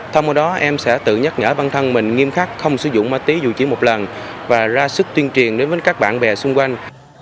thông qua đó em sẽ tự nhắc nhở bản thân mình nghiêm khắc không sử dụng ma túy dù chỉ một lần và ra sức tuyên truyền đến các bạn bè xung quanh